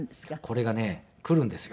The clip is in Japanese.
これがね来るんですよ。